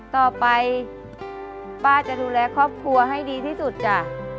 ต่อไปป้าจะดูแลครอบครัวให้ดีที่สุดจ้ะ